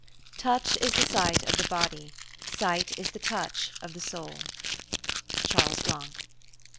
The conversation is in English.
"Touch is the sight of the body Sight is the touch of the soul." CHARLES BLANC.